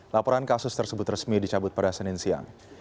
laporan kasus tersebut resmi dicabut pada senin siang